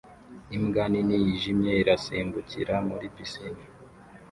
Imbwa nini yijimye irasimbukira muri pisine